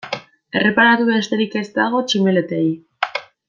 Erreparatu besterik ez dago tximeletei.